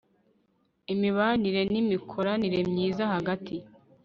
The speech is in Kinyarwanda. imibanire n imikoranire myiza hagati